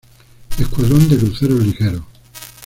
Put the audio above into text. Escuadrón de Cruceros Ligeros.